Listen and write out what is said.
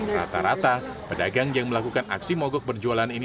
rata rata pedagang yang melakukan aksi mogok berjualan ini